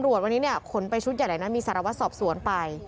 ตำรวจวันนี้เนี่ยขนไปชุดใหญ่เลยนะมีสารวัตรสอบสวนไป